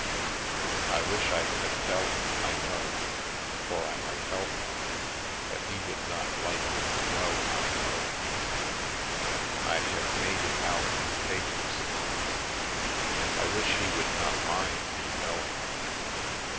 i wish i cud tell him i no for i mite help him, but he wood not like to no i no. i hev made it out in the papers, i wish he wood not mind mi noing."